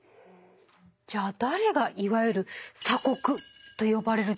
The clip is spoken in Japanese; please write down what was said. じゃあ誰がいわゆる鎖国と呼ばれる状態にしちゃったんですかね？